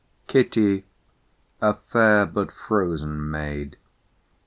Kitty, a fair, but frozen maid.